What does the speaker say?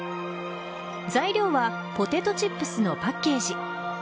材料はポテトチップスのパッケージ。